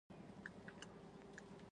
مڼې په سړو خونو کې ساتل کیږي.